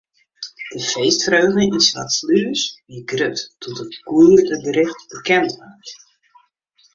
De feestfreugde yn Swartslús wie grut doe't it goede berjocht bekend waard.